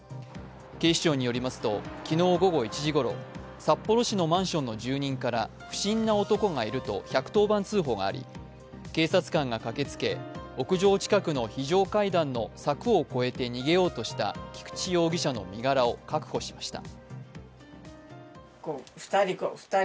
警視庁によりますと、昨日午後１時ごろ、札幌市のマンションの住人から不審な男がいると１１０番通報があり警察官が駆けつけ、屋上近くの非常階段の柵を越えて逃げようとした菊池容疑者の身柄を確保しました。